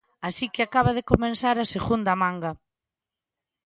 Así que acaba de comezar a segunda manga.